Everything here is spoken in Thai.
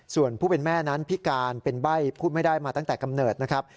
ส่วนผู้เป็นแม่นั้นพิการเป็นใบ้พูดไม่ได้มาตั้งแต่กำเนิดนะครับ